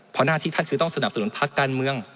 เพราะหน้าที่ท่านคือต้องสนับสนุนพักการเมือง